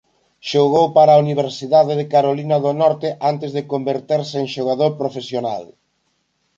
Xogou para a Universidade de Carolina do Norte antes de converterse en xogador profesional.